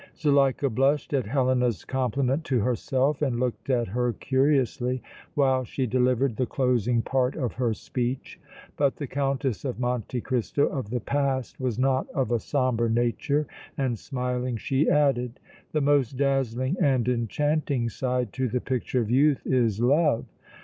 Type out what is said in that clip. Zuleika blushed at Helena's compliment to herself and looked at her curiously while she delivered the closing part of her speech. But the Countess of Monte Cristo of the past was not of a sombre nature, and, smiling, she added: "The most dazzling and enchanting side to the picture of youth is love!